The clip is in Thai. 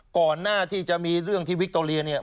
ก่อนหน้าที่จะมีเรื่องที่วิคโตเรียเนี่ย